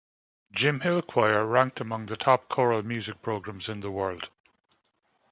Jim Hill choir ranked among the top choral music programs in the world.